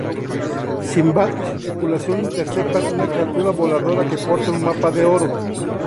Simbad y su tripulación interceptan una criatura voladora que porta un mapa de oro.